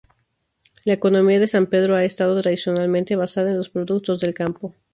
La economía de San Pedro ha estado tradicionalmente basada en los productos del campo.